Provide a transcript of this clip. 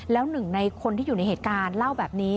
แล้วหนึ่งในคนที่อยู่ในเหตุการณ์เล่าแบบนี้